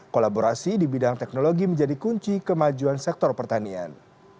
kolaborasi di bidang teknologi menjadi kunci kemajuan sektor pertanian